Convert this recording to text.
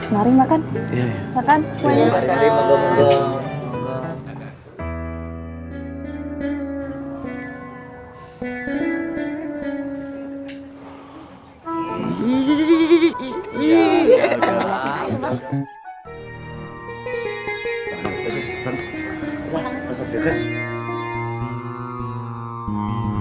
maiker bahwa seki